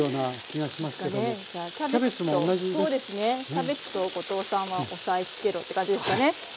キャベツと後藤さんは押さえつけろって感じですかねハハハ。